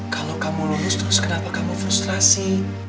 kalau kamu lulus terus kenapa kamu frustrasi